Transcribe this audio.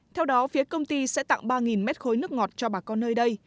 theo đó phía công ty sẽ tặng ba mét khối nước ngọt cho bà con nơi đây